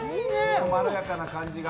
まろやかな感じが。